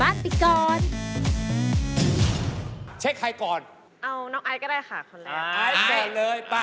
ไอซ์เสร็จเลยป่ะ